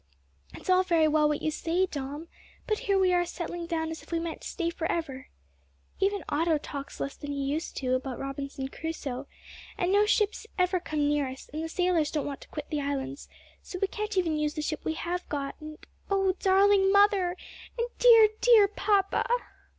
"It's all very well what you say, Dom, but here we are settling down as if we meant to stay for ever. Even Otto talks less than he used to about Robinson Crusoe, and no ships ever come near us, and the sailors don't want to quit the islands, so we can't even use the ship we have got, and and O darling mother! and dear, dear papa!"